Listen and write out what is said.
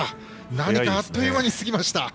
何かあっという間に過ぎました。